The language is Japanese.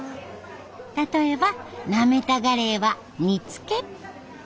例えばナメタガレイは煮つけ。